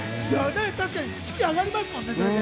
確かに士気上がりますもんね。